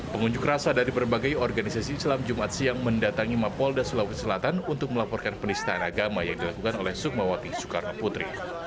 pengunjuk rasa dari berbagai organisasi islam jumat siang mendatangi mapolda sulawesi selatan untuk melaporkan penistaan agama yang dilakukan oleh sukmawati soekarno putri